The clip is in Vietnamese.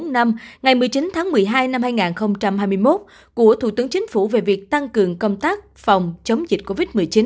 ngày một mươi chín tháng một mươi hai năm hai nghìn hai mươi một của thủ tướng chính phủ về việc tăng cường công tác phòng chống dịch covid một mươi chín